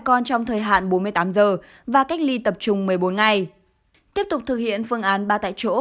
con trong thời hạn bốn mươi tám giờ và cách ly tập trung một mươi bốn ngày tiếp tục thực hiện phương án ba tại chỗ